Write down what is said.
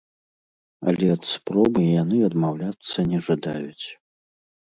Але ад спробы яны адмаўляцца не жадаюць.